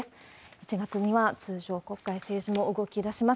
１月には通常国会、政治も動きだします。